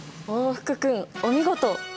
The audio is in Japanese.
お福君お見事！